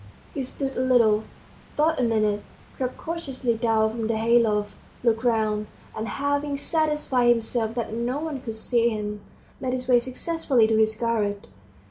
... He stood a little, thought a minute, crept cautiously down from the hay loft, looked round, and having satisfied himself that no one could see him, made his way successfully to his garret.